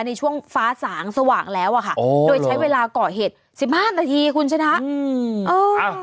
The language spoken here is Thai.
ในช่วงฟ้าสางสว่างแล้วอะค่ะโดยใช้เวลาก่อเหตุ๑๕นาทีคุณชนะ